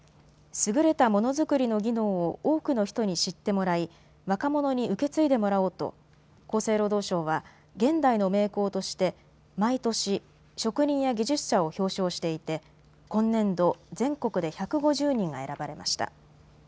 優れたものづくりの技能を多くの人に知ってもらい若者に受け継いでもらおうと厚生労働省は現代の名工として毎年、職人や技術者を表彰していて今年度、全国で１５０人が選ばれました。